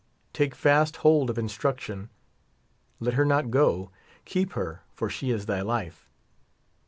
Take fast hold of instruction ; let her not go ; keep her, for she is thy life.